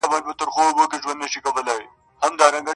وينه سًره د موجوداتو، سره مي توري د کلام دي,